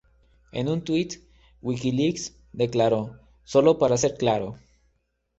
En un tweet, WikiLeaks declaró "Solo para ser claro.